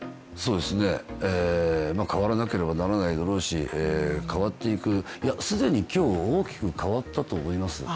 変わらなければならないだろうし変わっていく既に今日大きく変わったと思います。